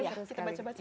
ya itu kita baca baca